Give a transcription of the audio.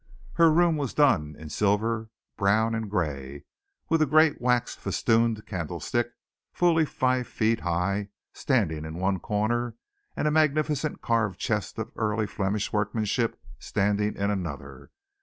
Her room was done in silver, brown and grey, with a great wax festooned candlestick fully five feet high standing in one corner and a magnificent carved chest of early Flemish workmanship standing in another.